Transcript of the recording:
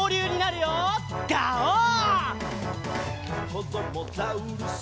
「こどもザウルス